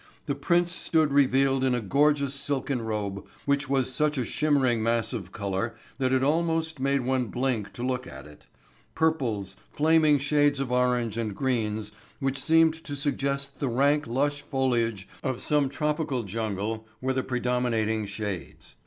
The prince stood revealed in a gorgeous silken robe which was such a shimmering mass of color that it almost made one blink to look at it. Purples, flaming shades of orange and greens which seemed to suggest the rank lush foliage of some tropical jungle were the predominating shades.